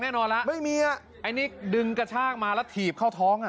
แน่นอนแล้วไม่มีอ่ะไอ้นี่ดึงกระชากมาแล้วถีบเข้าท้องอ่ะ